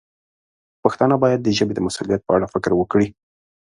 پښتانه باید د ژبې د مسوولیت په اړه فکر وکړي.